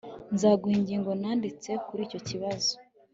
Nzaguha ingingo nanditse kuri icyo kibazo